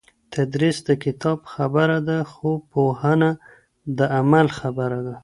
تدریس د کتاب خبره ده خو پوهنه د عمل خبره ده.